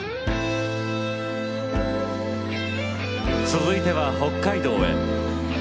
続いては北海道へ。